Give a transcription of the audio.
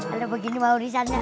aduh begini mau disana